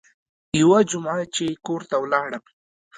يوه جمعه چې کور ته ولاړم.